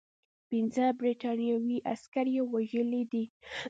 پنځه برټانوي عسکر یې وژلي دي.